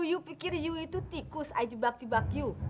lu pikir yu itu tikus ayo jebak jebak yu